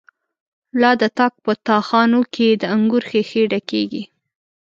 لا د تاک په تا خانو کی، دانګور ښيښی ډکيږی